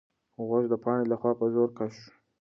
غوږ د پاڼې لخوا په زور کش شو.